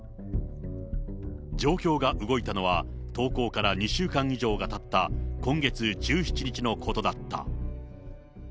状況が動いたのは、投稿から２週間以上がたった今月１７日のことだった。